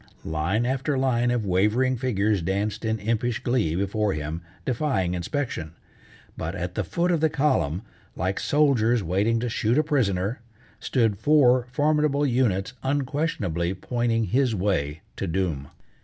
Line after line of wavering figures danced in impish glee before him, defying inspection. But at the foot of the column, like soldiers waiting to shoot a prisoner, stood four formidable units unquestionably pointing his way to doom.